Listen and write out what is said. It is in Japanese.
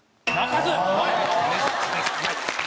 うまい！